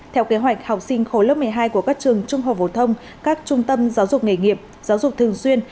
theo kế hoạch học sinh khối lớp một mươi hai của các trường trung học phổ thông các trung tâm giáo dục nghề nghiệp giáo dục thường xuyên